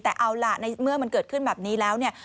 แต่เอาล่ะในเมื่อมันเกิดขึ้นแบบนี้แล้วเนี่ย